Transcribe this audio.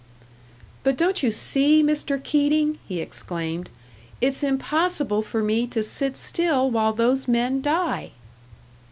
"But don't you see, Mr. Keating?" he exclaimed. "It's impossible for me to sit still while those men die?"